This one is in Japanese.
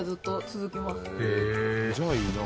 じゃあいいな。